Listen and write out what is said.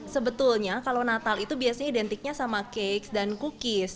sebetulnya kalau natal itu biasanya identiknya sama cakes dan cookies